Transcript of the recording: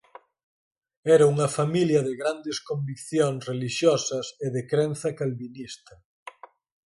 Era unha familia de grandes conviccións relixiosas e de crenza calvinista.